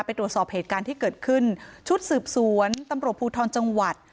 ไปตรวจสอบเหตุการณ์ที่เกิดขึ้นชุดสืบสวนตำรวจภูทรจังหวัด